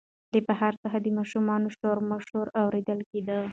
له بهر څخه د ماشومانو شورماشور اورېدل کېده.